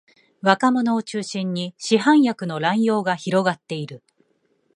若者を中心に市販薬の乱用が広がっている